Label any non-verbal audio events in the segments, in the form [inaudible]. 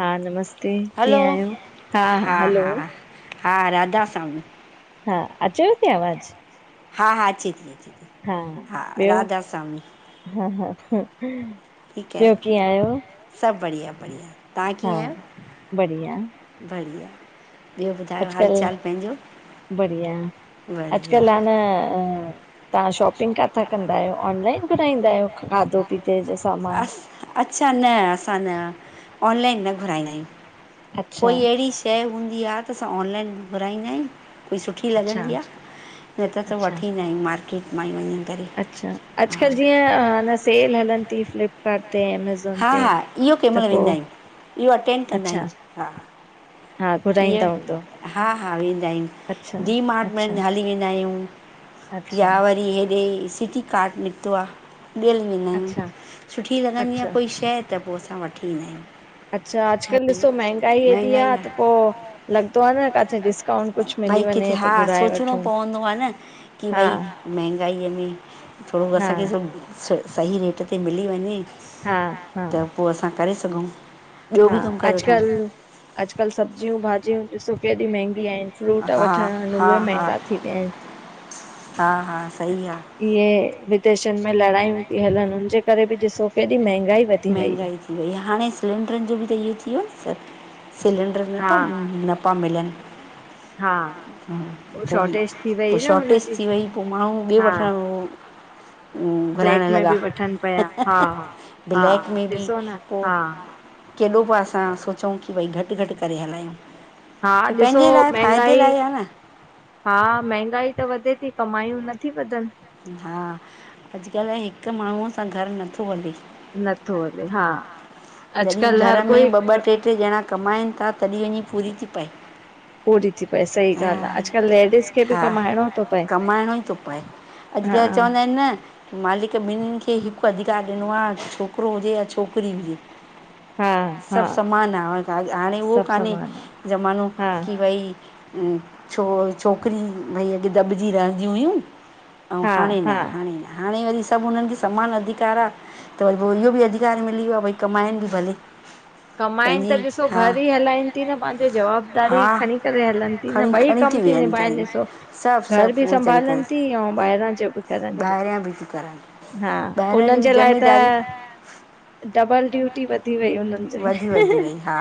हा नमस्ते हलो कीअं आहियो हा हलो। हा राधा स्वामी हा अचेव थी आवाज़। हा हा अचे थी। हा ॿियो राधा स्वामी हा ह ठीक आ सब बढ़िया बढ़िया तव्हां हा कीअं बढ़िया आहियो। बढ़िया ॿियो ॿुधायो हाल अॼुकल्ह चाल पंहिंजो। बढ़िया बढ़िया अॼकल्ह ह न अ तव्हां शॉपिंग काथां कंदा आहियो ऑनलाइन घुराईंदा आहियो खाधो पीते जो सामान? अस अच्छा न असां न ऑनलाइन न घुराईंदा आहियूं। अच्छा कोई अहिड़ी शइ हूंदी आहे त असां ऑनलाइन घुराईंदा आहियूं। कोई सुठी अच्छा लॻंदी आ न त त अच्छा वठी ईंदा आहियूं मार्केट मां ई वञी करे। अच्छा अॼुकल्ह जीअं सेल हलनि थी हा फ्लिपकाट इन ते हा ते हा इहो कंहिं त महिल पो वेंदा आहियूं इहो अटेंड कंदा अच्छा आहियू हा। हा इहे घुराईंदा हूंदो। हा हा वेंदा आहियूं डी माट में अच्छा हली वेंदा आहियूं अच्छा या वरी हेॾे सिटी काड निकतो आ ॾियल वेंदा आहियूं अच्छा सुठी लॻंदी आ अच्छा कोई शइ त पो असां वठी ईंदा आहियूं अच्छा अॼकल ॾिसो मह आ महांगाई आहे त पो लॻंदो आ न किथे डिस्काउंट कुछ भई मिली वञे किथे त हा घुराए सोचिणो वठूं। पवंदो आ न की हा भई महांगाईअ में थोरो हा असांखे सब स सही रेट ते मिली वञे। हा हा पो असां करे सघूं ॿियो हा बि कम करे वठूं। अॼुकल्ह अॼुकल्ह सब्जियूं भाॼियूं ॾिसो केॾी महंगी आहिन। हा फ्रूट वठण आहिन हा उहे हा महंगा थी विया आहिनि हा हा सही आहे [unintelligible] इहे विदेशन में लड़ायूं थी हलनि हुनजे करे बि ॾिसो केॾी महगाई वी महांगाई थी वई आहे हाणे सिलेंडरनि जो बि त इहो थी वियो आ न सिलेंडर हा नथाथो न न पा मिलनि हा पो शॉर्टेज थी पो वई न शॉर्टेज हुनजी थी वई पो माण्हू ॿिए हा वठण। हं घुराइण ब्लैक में लॻा बि वठनि पिया हा हा हा ब्लैक में बि ॾिसो न उह हा आ। केॾो बि असां सोचौं की भई घट घट करे हलायूं। हा त ॾिसो पंहिंजे लाइ फ़ाइदे महंगाई। लाइ आहे हा महंगाई त वधे थी कमायूं नथी वधन। हा अॼुकल्ह हिक माण्हूअ सां घर नथो हले। नथो हले हा। जॾहिं अॼुकल्ह घर हर में कोई ॿ ॿ ट्रे ट्रे घणा कमाइन ता तॾहिं वञी पूरी थी पए। पूरी थी पए सही हा ॻाल्हि आहे अॼुकल्ह लेडीस खे बि हा कमाइणो थो पए कमाइणो ई थो पए। हा अॼुकल्ह चवंदा आहिन न। मालिक ॿिन्हिनि खे हिकु अधिकार ॾिनो आ छोकरो हुजे या छोकिरी हुजे। हा हा सबु समान आ हाणे उहो सभु कान्हे समान आहे ज़मानो हा की भई। छो छोकिरी भई अॼु दॿिजी रहंदी हुयूं। अऊं हा हाणे हा न हाणे न हाणे वरी सभ हुननखे समान अधिकार आ। त गोल्यो बि अधिकार मिली वियो भई कमाइन बि भले। कमाइन पंहिंजी त ॾिसो हा घर ई हलाइन थी न पंहिंजो जवाबदारी हा खणी त हलन। इन खणी बइ खणी कम थी विया आहिनि निभाइन वीचारियूं ॾिसो। सभु घर सभु बि उहो वीचारियूं संभालन कनि थी अऊं ॿाहिरां जोब् करन थी। ॿाहिरियां बि थियूं करनि हा ॿाहिरां जी हुनन बि जे लाइ त ज़िमेदारी डबल ड्यूटी वधी वई हुन। वधी वधी वई हा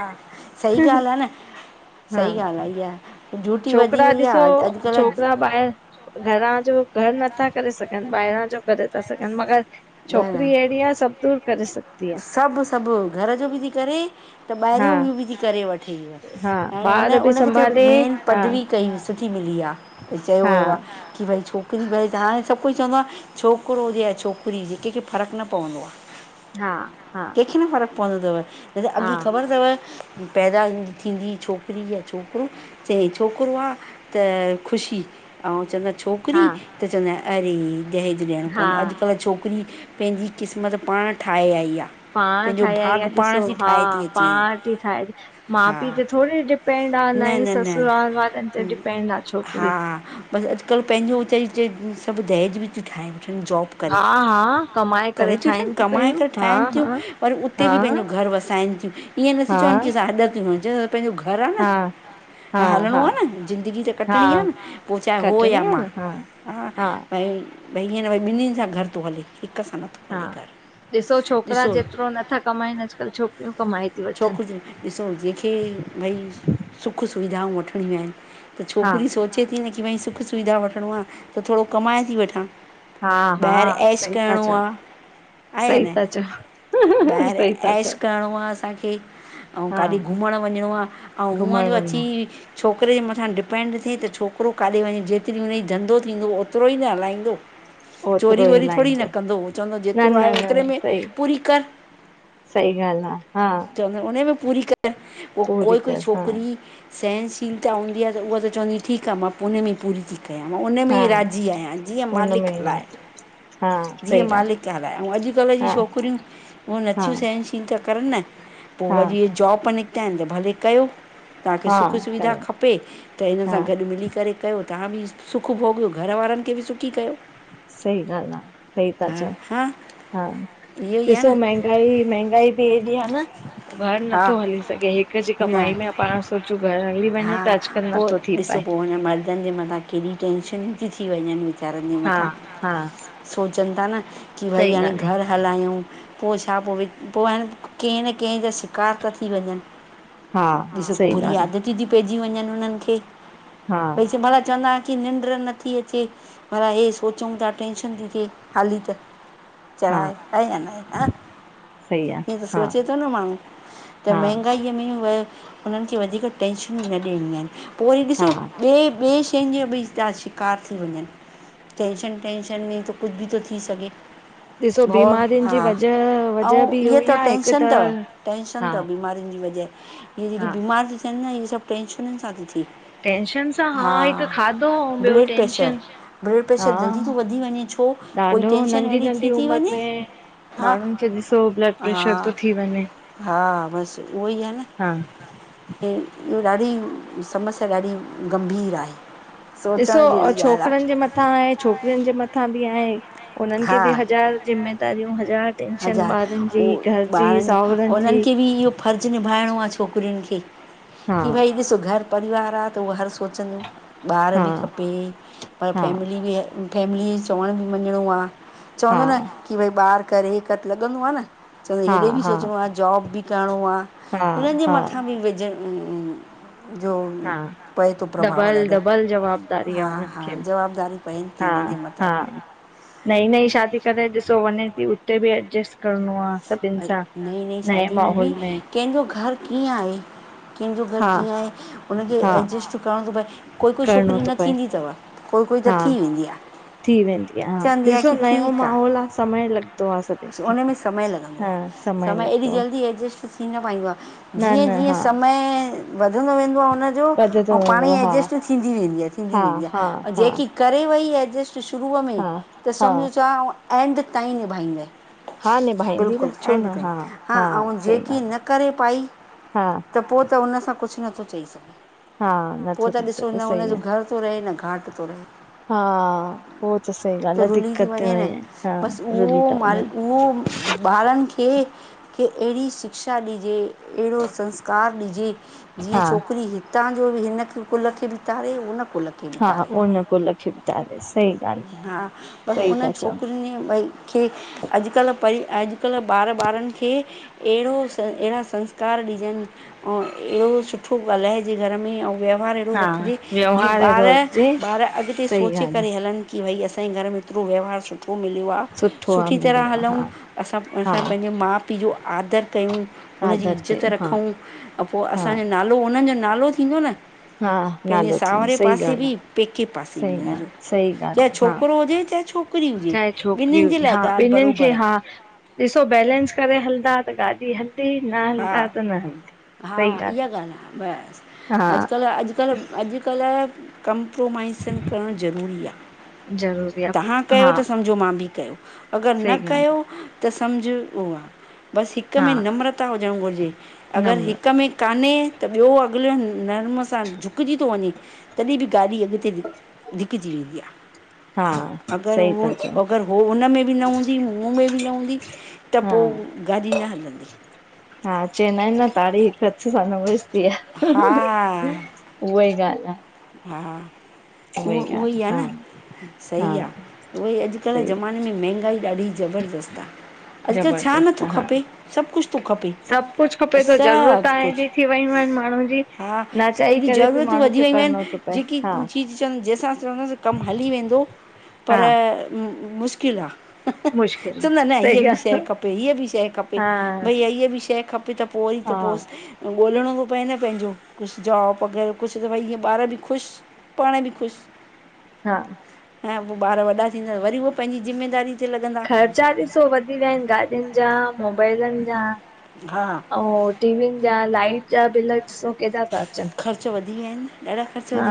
सही ॻाल्ह आ न सही ॻाल्ह आ इहा। ड्यूटी वधी छोकरा वई ॾिसो आहे अॼुकल्ह छोकरा ॿाहिर। घरां जो घर नथा करे सघन, ॿाहिरां जो करे था सघन मगर। छोकिरी अहिड़ी आहे सभु दूर करे सघंदी आहे सब सब घर जो बि थी करे। त हा ॿाहिरियों इ बि थी करे वठे हा हाणे उन ॿार बि उनखे त संभाले मेन। हा पदवी कई सुठी मिली आ चयो हा वयो आ की भई छो। भरे त हांय सभु कोई चवंदो आ छोकरो हुजे या छोकरी हुजे कंहिंखे फ़र्क न पवंदो आ। हा हा। किं फ़र्क़ पवंदो तव? जेसे हा अॻीं ख़बर तव। पैदा थींदी छोकिरी या छोकरो। चाहे छोकरो आ त ख़ुशी अऊं चवंदा छोक। किरी हा त चवंदा आहिन अरे दहेज ॾियणो हा पवंदो अॼु कल। किरी पंहिंजी क़िस्मत पाण ठाहे आई आ। पाण ठाए आई आ ॾिसो हा अचे पाण थी ठाहे माँ हा पीउ त थोड़ी डिप्। पेंड आ ना न ही न न ससुरालवालन्ते डिपेंड आ छोकरी। बस अॼुकल्ह पंहिंजो चइ चइ‌ सभ दहेज बि ती ठाहिन जॉब। हा। हा हा कमाए करे ती अचन ठाहिनि थी कमाए पयूं करे हा ठाहिन थियूं हा वरी उते हा बि पंहिंजो घर वसाइन थियूं। ईअं नथि हा चवन की असां हॾ थियूं‌ हज पंहिंजो घर आ न। हा हा हं हा हलणो आ न ज़िंदगी त हा कटणी आ न पो चाहे हो या खटणी आ मां। न हा हा भई भई ईअं न भई ॿिन्हिन सां घर थो हले हिक सां न। हा ॾिसो छोकरा जेतरो नथा कमाइन अॼुकल्ह छोकरियूं कमाए थी वठन। छोकिरियूं ॾिसो जंहिंखे भई सुख सुविधाऊं वठणियूं आहिन त हा छोकिरियूं सोच। अचे थी न की भई सुख सुविधा वठणो आ त थोड़ो कमाए थी वठां। हा हा। ॿाहिरि ऐश सई था करिणो चओ, आहे आहे या सई न था चओ, सई था चओ। करणों आ असांखे अऊं हा काॾे घुमण वञणो आ अऊं हूअं घुमण जो अची। वञो छोकरे जे मथां डिपेंड थी त छोकरो काथे वञे जेतरी हुनई धंधो थींदो ओतिरो ही त हलाईंदो। ओतरो‌ ई हलां थोड़ी न कंदो उ चवंदो जेतिरो आहे ओतिरे में सही पूरी कर। सही ॻाल्हि आ हा। उनमें पूरी करनि पोह पूरी कोई कोई कर हा छोकिरी सहनशीलता हूंदी आ त उहा त चवंदी ठीक आ मां उन में पूरी ती कयां मां उन में हा ई राज़ी आहियां जीअं हुनमें मालिक ई हलाये। राज़ी हा जीअं सही ॻाल्हि मालिक हलाए, अउं अॼुकल्ह जी आ हा छोकिरियूं उहे हा नथियूं सहनिशीलता करनि न, पो हा वरी इये जॉब निकिता आहिनि त भले कयो। तव्हांखे हा सुखु सुविधा कयो खपे त हिन हा सां गॾु मिली करे कयो तव्हां बि सुखु भोॻियो घर वारनि खे बि सुखी कयो। सही ॻाल आ। सही था हा चओ, हा हा इहो ई आहे ॾिसो न महंगाई महंगाई बि एॾी आ न घर हा नथो हली सघे हिक जी न कमाई में पाण सोचूं घर हली वञे हा त अॼकल्ह पोइ नथो थी ॾिसो पाए। पो हुन मर्दनि जे मथां केॾी टेंशनयूं ती थी वञनि, वीचारनि जे हा मथां -हा। सोचनि ता न की भई सही हाणे ॻाल्हि घर हलायूं पो छा पो व पो आ न कंहिं न कंहिं जा बेकार ता थी वञनि, आ। हा ॾिसो सही बुरी ॻाल्हि आदतियूं ती पइजी वञनि उन्हनि खे, आ। हा भई भला चवंदा की निंड नथी अचे भला हे सोचऊं ता टेंशन ती थे हाली त हा चढ़ाए आहे या नाहे? सही आ। ईअं त हा सोचे तो न माण्हू त हा महांगाई में उह उन्हनि खे वधीक टेंशनयूं न ॾियणियूं आहिनि पो वरी हा ॾिसो ॿिए ॿिए शयुनि जो बि जा शिकार थी वञनि, टेंशन टेंशन में तो कुझु बि तो थी सघे। ॾिसो भउ बीमारियुनि हा, जी वजह वजह अउं बि इअ इहो ई तव आ हिक त टेंशन तव टेंशन हा तव बीमारीयुनि जी वजह। इहे जेकी हा बीमार ती थियनि न इहे सभु टेंशनन सां ती थे। टेंशन सां हा हिक खाधो ऐं ॿियो ब्लड प्रेशर, टेंशन ब्लड हा प्रेशर जल्दी तो वधी वञे छो? कोई ॾाढो टेंशन नंढी अहिड़ी थी नंढी ती उमिरि वञे में हा- माण्हुनि खे ॾिसो ब्लड प्रेशर थो हा- थी वञे। हा, बसि उहो ई आ न। हा इ इहो ॾाढी समस्या ॾाढी गंभीर आहे। ॾिसो सोचण और जहिड़ी ॻाल्हि छोकिरनि जे मथ थां आहे, छोकरिनि जे मथां बि आहे हुननि खे हा बि हज़ार जिम्मेदारियूं हज़ार जनि बाद उह ॿारनि उन्हनि खे बि इहो फर्ज़ निभाइणो आ छोकिरियुनि खे। हा की भई ॾिसो घर परिवार आ त उहो हर सोचंदियू ॿार हा बि खपे पर हा फैमिली बि फैमिली जो चवण बि मञिणो आ हा चवंदो न की भई ॿार करे हिक त लॻंदो आ न। चवंदा हा हेॾे बि हा सोचणो आ, जॉब बि करिणो आ, हा हिननि जे हा मथां बि विझन जो हा पए तो प्रभाव डबल ॾाढो, डबल जवाबदारी आहे हा- हुननि हा, खे जवाबदारीयूं पएन ॿिनिन जे मुताबिक आ, नईं नईं शादी करे ॾिसो वञे ती, उते बि एडजस्ट करिणो आ नई -नई शादी में बि कंहिंजो घर कीअं आहे? कंहिंजो घर हा कीअं आहे? हुनखे हा एडजस्ट करण तो पये कोई कोई करिणो छोकिरी थो न पए थींदी तव कोई कोई त हा थी वेंदी आ। थी वेंदी आ, हा -ॾिसो नयो आहे माहौल आ समय लॻंदो आ सभ, उनमें समय लॻंदो आ, समय एॾी लॻंदो आ, जल्दी एडजस्ट थी न पाईंदो आ, न जीअं न जीअं हा समय वधंदो वेंदो उन जो ॿधंदो अऊं पाण ही वेंदो हा। एडजस्ट थींदी वेंदी आ थींदी हा वेंदी आ हा अऊ हा जेकी करे वेई एडजेस्ट त शुरूअ में, हा त हा समझ जा एंड ताईं निभाईंदय। हा निभाईंदी बिल्कुल न छो एंड न ताईं हा, अऊ सही जेकी ॻाल्हि न करे पाई आ हा त पो त उन सां कुछ नथो चई सघे। हा पो नथो त थी ॾिसो सघे न सही हुनजो आ। घर थो रहे न घाट थो रहे। हा पो त सही ॻाल्हि त आ, रुली दिक्कत थी न वञे बसि उहो रुली था माल वञनि। उहो ॿारनि खे कि अहिड़ी शिक्षा ॾिजे अहिड़ो संस्कार ॾिजे जीअं हा छोकिरी हितां जो बि हिन खे कुल खे बि तारे ऐं हुन कुल खे बि हा तारे उन कुल खे बि तारेसि। हा पर उन्हनि छोकिरियुनि ॿई खे अॼुकल्ह पई अॼुकल्ह ॿार ॿारनि खे अहिड़ो स अहिड़ा संस्कार ॾिजनि ऐं अहिड़ो सुठो ॻाल्हाइजे घर में अऊ व्यावहार अहिड़ो हा रखिजे जीअं व्यवहार ॿार, अहिड़ो हुजे ॿार अॻिते सही सोचे ॻाल्हि आ। करे हलनि कि भाई असांजे घर में एतिरो व्यवहार सुठ सुठो मिलियो आ सुठो आ सुठी तरह मिलियो आ हलूं हा असां, हा असां पंहिंजे माउ पीउ जो आदर कयूं उनजी आदर इज़्ज़त कयूं हा रखूं त पो हा असांजो नालो पो उन्हनि जो नालो थींदो न हा पंहिंजे नालो थींदो सावहरे सही पासे ॻाल्हि आ बि पेके पासे बि सही ॻाल्हि हुनजो सही ॻाल्हि चाहे आ हा छोकिरो हुजे चाहे छोकिरी हुजे, चाहे छोकिरी ॿिन्हिनि जे हुजे लाइ हा ॻाल्हि ॿिन्हिनि खे बरोबरि आ। हा ॾिसो बैलेंस करे हलंदा त गाॾी हलंदी, न हा हलंदा ता न हलंदी, हा सही इहा ॻाल्हि ॻाल्हि आ। आ बस हा अॼुकल्ह -अॼुकल्ह अॼुकल्ह कम्प्रोमाइसन करण ज़रूरी आ। ज़रूरी आ तव्हां कयो हा त समझो मां भी कयो। अगर न सही कयो ॻाल्हि आ त समझ ऐं बस हिक हा में नम्रता हुजण घुरिजे। अगर हिक नम्रता में कान्हे त ॿियो अॻिलो नरम स् इंसान झुकजी थो वञे तॾहिं बि गाॾी अॻिते धिकजी वेंदी आ। हा अगर सही हो ता चओ अगर हो हुनमें बि न हूंदी मूं में बि न हूंदी त हा पो गाॾी न हलंदी। हा चईंदा आहिनि न ताड़ी हिक हथ सां न वॼंदी आ। हा उहा ही ॻाल्हि आ। हा उहो, उहो ई आ न। हा सही आ हा उहोई अॼुकल्ह सही आ ज़माने में मंहगाई ॾाढी ज़बरदस्तु आ। अॼुकल्ह छा ज़बरदस्त नथो हा खपे। सब कुछ थो खपे, सभु कुझु खपे थो ज़रूरत सब हाणे कुछ। एॾी थी वियूं आहिनि माण्हुनि जी हा न चाही एॾी करे बि ज़रूरतूं माण्हू वधी खे वयूं करिणो आहिनि। थो पए जेकी हा चीज़ चवंद जंहिंसां चवंदासीं कम हली वेंदो पर हा मुश्किल आ मुश्किल आ चवंदा न सही हिअं बि शइ ॻाल्हि खपे हिअं बि शइ आ खपे। हा भईया हीअं बि शइ खपे त पो वरी त हा पोस ॻोल्हणो थो पए न पंहिंजो कुछ जॉब वग़ैरह कुछ त भाई ईअं ॿार बि खुशि पाण बि खु़शि। हा ऐं पो ॿार वॾा थींदा वरी उहे पंहिंजी ज़िमेदारी ते लॻंदा ख़र्चा ॾिसो वधी विया आहिनि गाॾियुनि जा मोबाइलनि जा हा ऐं टीवीयूंन जा लाइट जा बिल ॾिसो केॾा था अचनि ख़र्च वधी विया आहिनि न हा,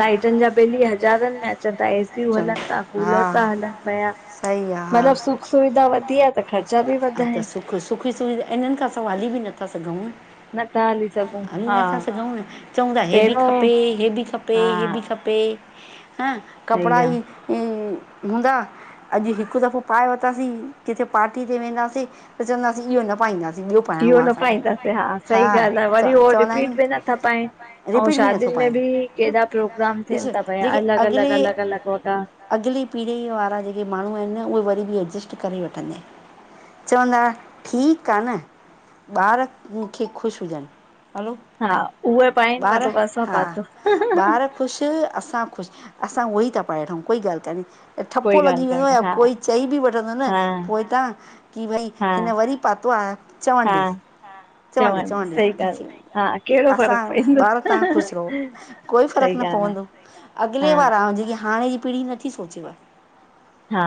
लाइटुनि जा बिल ई हज़ारनि में अचंनि था एसीयू हलनि चङो था हा कूलर था हलनि पिया सही आहे हा मतिलब सभु सुख सुविधा वधी आ त ख़र्चा बि हा वधिया त आहिनि। सुख सुविधा इन्हनि खां सवाइ हली बि नथा सघूं न नथा हली सघूं हली हा नथा सघूं न, चऊं था हे बि पहिरियों खपे हे बि खपे हा हे बि खपे हां सही कपिड़ा आ ई ऊं हूंदा अॼु हिकु दफ़ो पाए वरितासीं किथे पार्टी ते वेंदासीं त चवंदासीं इहो न पाईंदासीं ॿियो पाइणो इहो आ न असांखे पाईंदासीं सही हा ॻाल्हि आहे च वरी उहो चवंदा आहियूं रिपीट बि नथा पाइनि ऐं रिपीट बि नथो शादियुनि में पाए, बि केॾा प्रोग्राम ॾिस थियनि था पिया जेके अलॻि अलॻि अॻिले अलॻि अलॻि वॻा अॻिली पीढ़ीअ वारा जेके माण्हू आहिनि न उहे वरी बि एडजस्ट करे वठंदइ चवंदा ठीकु आ न, ॿार मूंखे ख़ुशि हुजनि हलो हा, उहे पाइनि ॿार मतलबु असां हा पातो ॿार ख़ुशि असां ख़ुशि असां उहो ई था पाए वठूं कोई ॻाल्हि कोन्हे ठपो कोई ॻाल्हि लॻी वेन्दो आ कान्हे या हा कोई चई बि वठंदोन न हा पोइता की भई हा हिन वरी पातो आ चवण हा ॾेस चवण ॾेस चवनि चवण सही ॻाल्हि हा ॾेस, कहिड़ो फ़र्क़ु असां पवंदो ॿार तव्हां ख़ुशि रहो कोई फ़र्क़ु सही न ॻाल्हि आहे पवंदो हा अॻिले वारा, अऊ जेकी हाणे जी पीढ़ी न नथी सोचेव, हा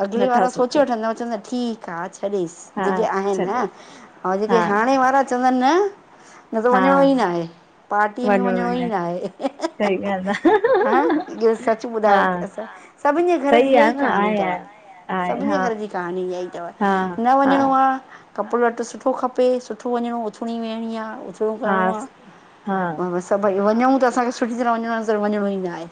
अगिले नथा वारा सोचे सोचनि वठंदा चवंदव ठीकु हा छॾेसि हा जेके छॾ आहिनि, ऐं जेके हा हाणे वारा चवंदा न न त हा वञिणो ई न आहे पार्टीअ में वञो वञिणो ई वञनि न आहे। सही ॻाल्हि आहे हा इहो सच ॿुधायोसी हा असां, सभिनि जे घर जी सही इहा आहे ई न कहाणी आहे तव आहे आहे सभिनी जे हा घर जी कहानी इअ ई तव हा न हा वञिणो आहे कपिदो लटो सुठो खपे सुठो वञिणो उथिणी वेहणी आ उथणी हा करिणो आ हा बसि त भई वञूं त असांखे सुठी तरह वञणो न वञिणो ई न आहे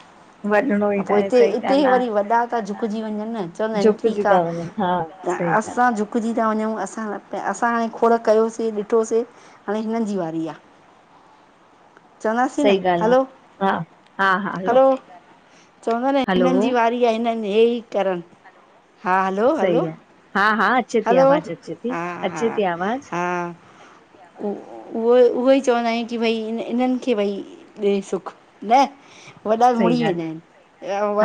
वञिणो ई त न पो आहे हिते सही इते ॻाल्हि वरी आहे वॾा था झुकजी वञनि न चवंदा आहिनि झुकिजी ठीकु आहे, था वञनि हा त सही ॻाल्हि असां झुकिजी था वञूं असां असां हाणे खोड़ कयोसीं ॾिठोसीं हाणे हिननि जी वारी आ [inaudible] सही ॻाल्हि आ, हा हा हा हलो चवंदा न हिननि जी हलो वारी आ हिननि हे ई करनि हा हलो सही हलो आ हा हा अचे थी हलो आवाज़ अची थी हा हा अचे थी आवाज़ हा उ उहो उहो ई चवंदा आहियूं की भई इन इन्हनि खे भई ॾे सुखु न, वॾा सही मुडी ॻाल्हि वेंदा आहे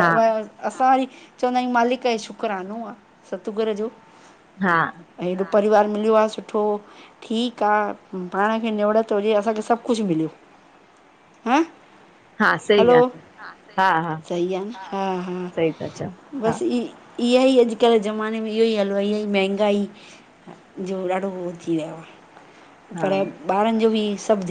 हा असां वरी चवंदा आहियूं मालिक जो शुकरानो आहे सतगुर जो हा ऐं हेॾो परिवार मिलियो आ सुठो ठीकु आ पाण खे निवडत हुजे असांखे सभु कुझु मिलियो। हम हा सही हलो, ॻाल्हि आहे हा हा सही आ न हा हा सही था चओ हा बसि ई इअ ई अॼुकल्ह जे ज़माने में इहो ई हलयो आ ईहोई महांगाई जो ॾाढो हो थी वयो आ पर हा ॿारनि जो बि सभु ध्यान